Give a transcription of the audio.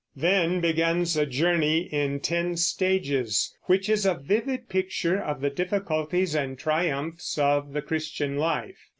Then begins a journey in ten stages, which is a vivid picture of the difficulties and triumphs of the Christian life.